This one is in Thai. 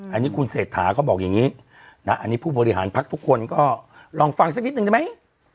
อันนี้คุณเศรษฐาเขาบอกอย่างนี้นะอันนี้ผู้บริหารพักทุกคนก็ลองฟังสักนิดนึงได้ไหม